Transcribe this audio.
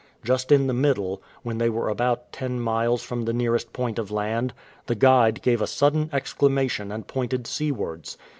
Just in the middle, when they were about ten miles from the nearest point of land, the guide gave a sudden exclamation and pointed seawards.